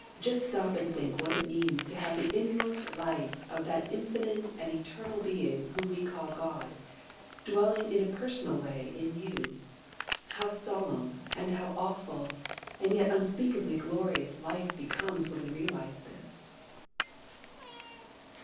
Just stop and think what it means to have the inmost life of that infinite and eternal Being whom we call God, dwelling in a personal way in you. How solemn and how awful and yet unspeakably glorious life becomes when we realize this.